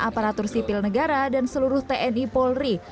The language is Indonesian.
aparatur sipil negara dan seluruh tni polri